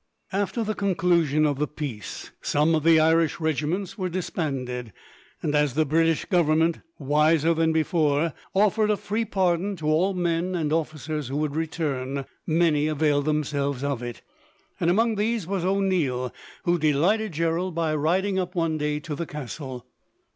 After the conclusion of the peace, some of the Irish regiments were disbanded, and as the British Government, wiser than before, offered a free pardon to all men and officers who would return, many availed themselves of it; and among these was O'Neil, who delighted Gerald by riding up, one day, to the castle.